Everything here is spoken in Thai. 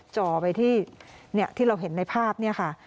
จ่อไปที่เราเห็นในภาพเนี่ยค่ะ